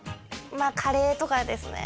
まあカレーとかですね